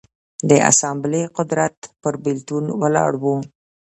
د اسامبلې قدرت پر بېلتون ولاړ و